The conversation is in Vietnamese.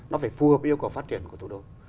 nó phải phù hợp yêu cầu phát triển của thủ đô